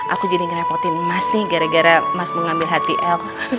aku jadi ngerepotin mas nih gara gara mas mau ngambil hati el